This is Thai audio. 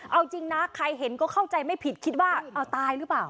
เอาจริงนะใครเห็นก็เข้าใจไม่ผิดคิดว่าเอาตายหรือเปล่า